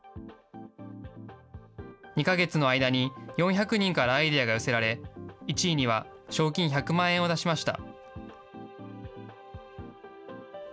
２か月の間に４００人からアイデアが寄せられ、１位には賞金１００万円を出しました。